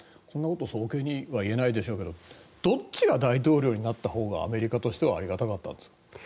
こんなこと早計には言えないでしょうけどどっちが大統領になったほうがアメリカとしてはありがたかったんですか？